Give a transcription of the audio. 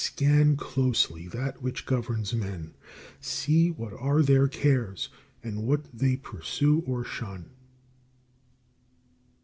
38. Scan closely that which governs men; see what are their cares, and what they pursue or shun.